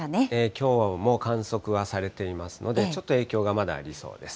きょうも観測はされていますので、ちょっと影響がまだありそうです。